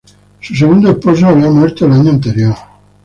Su segundo esposo había muerto el año anterior.